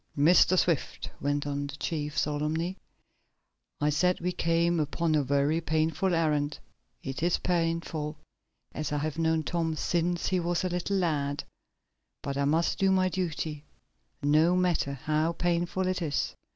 "Mr. Swift," went on the chief, solemnly, "I said we came upon a very painful errand. It is painful, as I have known Tom since he was a little lad. But I must do my duty, no matter how painful it is.